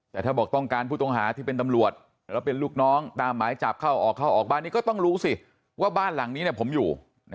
แต่ถ้าบอกต้องการผู้ต้องหาที่เป็นตำรวจแล้วเป็นลูกน้องตามหมายจับเข้าออกเข้าออกบ้านนี้ก็ต้องรู้สิว่าบ้านหลังนี้ผมอยู่